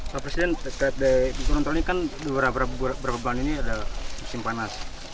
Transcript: pak presiden terkait di turun tol ini kan beberapa bulan ini ada musim panas